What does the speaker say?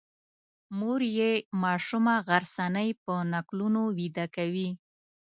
مور یې ماشومه غرڅنۍ په نکلونو ویده کوي.